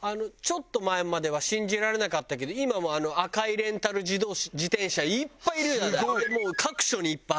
あのちょっと前までは信じられなかったけど今もう赤いレンタル自転車いっぱいいるようになった。